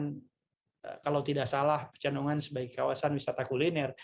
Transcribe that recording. dan kalau tidak salah pecenongan sebagai kawasan wisata kuliner